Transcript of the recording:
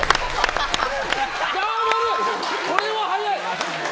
これは早い！